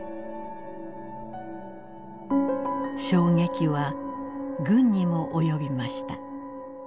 衝撃は軍にも及びました。